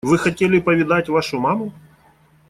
Вы хотели повидать вашу маму?